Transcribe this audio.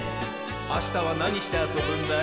あしたはなにしてあそぶんだい？